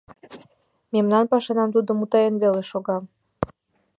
Мемнан пашанам тудо мутаен веле шога!